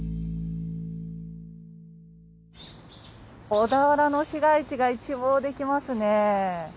小田原の市街地が一望できますねえ。